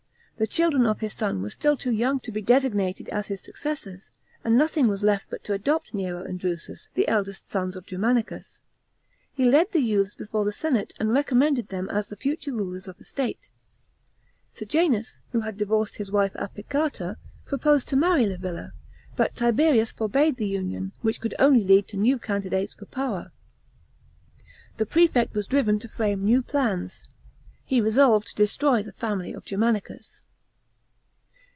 The children of his son were still too young to be designated as his successors, and nothing was left but to adopt Nero and Drusus, the eldest sons of Germanicus. He led the youths before the senate and recommended them as the future rulers of the state. Sejanus, who had divorced his wife Apicata, proposed to marry Livilla, but Tiberius forbade the union, which could only lead to new candi dates for power. The prefect was driven to frame new plans. He resolved to destroy the family of Germanicus.